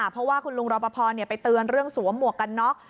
เพราะว่าคุณลุงรอปภไปเตือนเรื่องสวมหมวกกันน็อก